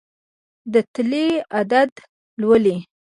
د تلې عدد لولي.